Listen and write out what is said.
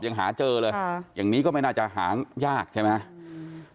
ยังหาเจอเลยค่ะอย่างนี้ก็ไม่น่าจะหายากใช่ไหมอืม